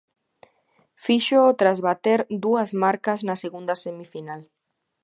Fíxoo tras bater dúas marcas na segunda semifinal.